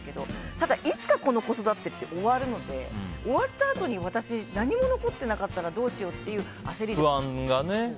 ただ、いつかこの子育てって終わるので終わったあとに私、何も残ってなかったらどうしようという焦りです。